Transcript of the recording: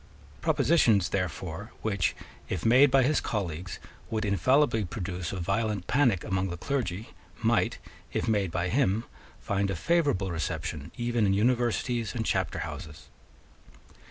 Propositions, therefore, which, if made by his colleagues, would infallibly produce a violent panic among the clergy, might, if made by him, find a favourable reception even in universities and chapter houses.